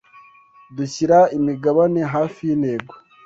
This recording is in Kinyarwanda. Dushyira imigabane hafi yintego